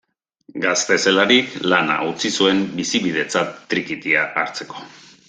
Gazte zelarik lana utzi zuen bizibidetzat trikitia hartzeko.